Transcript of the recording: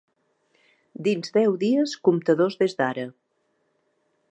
Dins deu dies comptadors des d'ara.